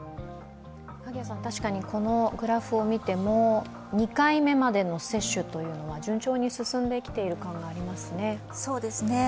確かにこのグラフを見ても、２回目までの接種というのは順調に進んできている感がありますね。